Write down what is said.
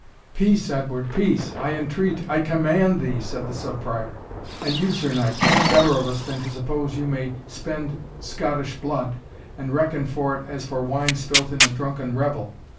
"Peace, Edward, peace I entreat I command thee," said the Sub Prior. "And you, Sir Knight, think better of us than to suppose you may spend Scottish blood, and reckon for it as for wine spilt in a drunken revel.